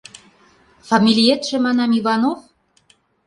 — Фамилиетше, манам, Иванов?